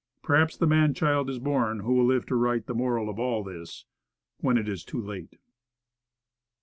Perhaps the man child is born who will live to write the moral of all this when it is too late.